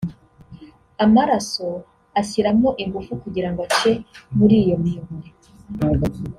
amaraso ashyiramo ingufu kugira ngo ace muri iyo miyoboro